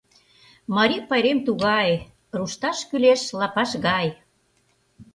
Марий пайрем тугае: рушташ кӱлеш лапаш гае.